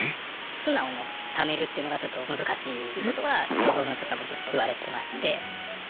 素直に貯めるっていうのがちょっと難しいってことは児童相談所からもちょっと言われてまして。